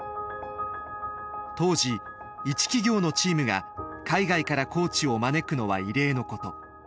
当時一企業のチームが海外からコーチを招くのは異例のこと。